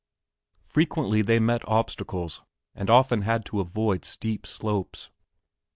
Frequently they met obstacles and often had to avoid steep slopes.